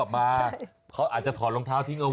๑๐บาทแปลง